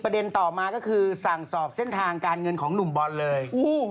ต่อมาก็คือสั่งสอบเส้นทางการเงินของหนุ่มบอลเลย